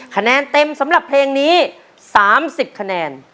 คะแนนเต็มสำหรับเพลงนี้๓๐คะแนน